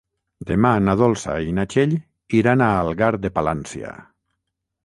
Demà na Dolça i na Txell iran a Algar de Palància.